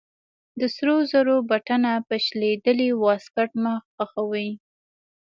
د سرو زرو بټنه په شلېدلې واسکټ مه خښوئ.